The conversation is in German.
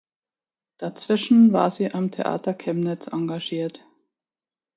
Dazwischen war sie am Theater Chemnitz engagiert.